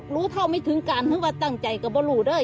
รู้เท่าไม่ถึงกันถึงว่าตั้งใจก็ไม่รู้เลย